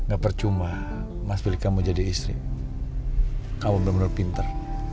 gak percuma mas bila kamu jadi istri kamu bener bener pinter